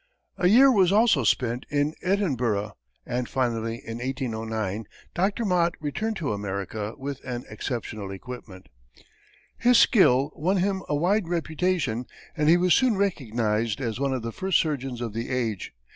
A year was also spent in Edinburgh, and finally, in 1809, Dr. Mott returned to America with an exceptional equipment. His skill won him a wide reputation and he was soon recognized as one of the first surgeons of the age.